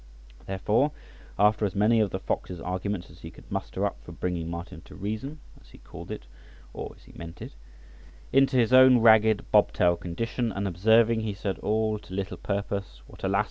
Therefore, after as many of the fox's arguments as he could muster up for bringing Martin to reason, as he called it, or as he meant it, into his own ragged, bobtailed condition, and observing he said all to little purpose, what alas!